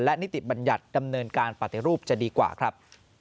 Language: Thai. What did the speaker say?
และนิติบัญญัติดำเนินการปฏิรูปจะดีกว่าครับ